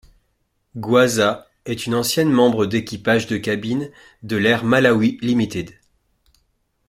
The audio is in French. Gwaza est une ancienne membre d'équipage de cabine de l'Air Malawi Ltd.